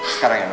sekarang ya mbak